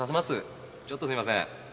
ちょっとすいません。